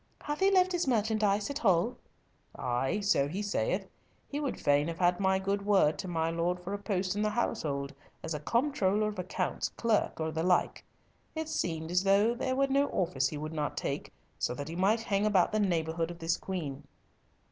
"Hath he left his merchandise at Hull?" "Ay, so he saith. He would fain have had my good word to my lord for a post in the household, as comptroller of accounts, clerk, or the like. It seemed as though there were no office he would not take so that he might hang about the neighbourhood of this queen."